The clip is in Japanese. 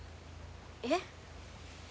えっ。